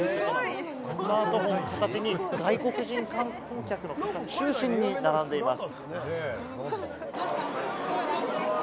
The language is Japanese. スマートフォン片手に外国人観光客の方を中心に並んでいます。